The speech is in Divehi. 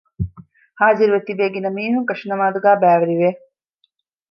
ހާޒިވެތިބޭ ގިނަ މީހުން ކަށުނަމާދުގައި ބައިވެރި ވެ